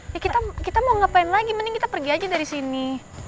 ya kita mau ngapain lagi mending kita pergi aja dari sini